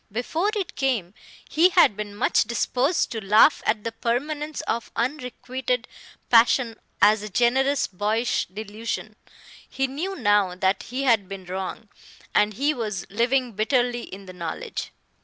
Before it came, he had been much disposed to laugh at the permanence of unrequited passion as a generous boyish delusion. He knew now that he had been wrong, and he was living bitterly in the knowledge.